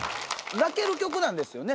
泣ける曲なんですよね？